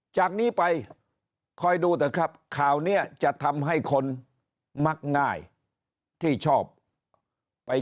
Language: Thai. จากนี้ไปคอยดูเถอะครับข่าวนี้จะทำให้คนมักง่ายที่ชอบไป